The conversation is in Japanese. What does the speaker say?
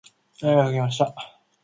願いをかけました。